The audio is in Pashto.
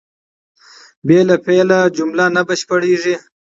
بې له فعله جمله نه بشپړېږي.